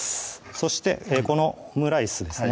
そしてこのオムライスですね